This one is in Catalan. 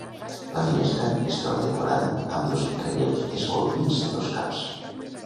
La finestra es troba decorada amb dos relleus esculpits de dos caps.